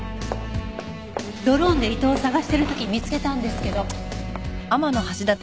ドローンで伊藤を捜してる時見つけたんですけど。